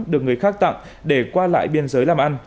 được người khác tặng để qua lại biên giới làm ăn